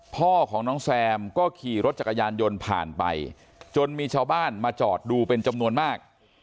พ่อของน้องแซมก็ขี่รถจักรยานยนต์ผ่านไปจนมีชาวบ้านมาจอดดูเป็นจำนวนมาก